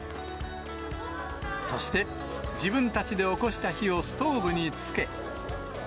そして自分たちでおこした火をストーブにつけ。